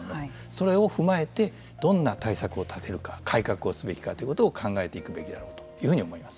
それを踏まえてどんな対策を立てるか改革をすべきかということを考えていくべきだろうというふうに思います。